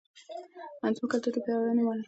زموږ کلتور د پیاوړي مورنۍ ژبې په ګډه ژوند کوي.